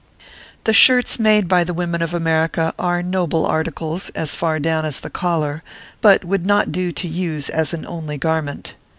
The shirts made by the women of America are noble .articles, as far down as the collar ; but would not do to use as an only garment.